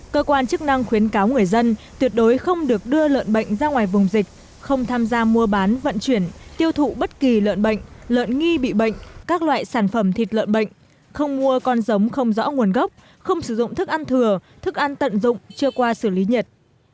cơ quan chức năng khuyến cáo người dân tuyệt đối không được đưa lợn bệnh ra ngoài vùng dịch không tham gia mua bán vận chuyển tiêu thụ bất kỳ lợn bệnh lợn nghi bị bệnh các loại sản phẩm thịt lợn bệnh không mua con giống không rõ nguồn gốc không sử dụng thức ăn thừa thức ăn tận dụng chưa qua xử lý nhiệt